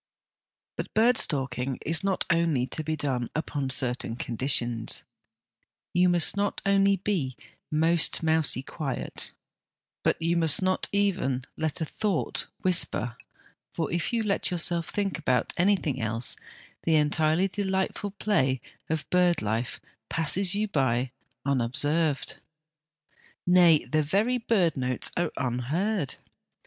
But bird stalking is only to be done upon certain conditions. You must not only be ' most mousy quiet,' but you must not even let a thought whisper, for if you let yourself think about anything else, the entirely delightful play of bird life passes by you unobserved ; nay, the very bird notes are unheard.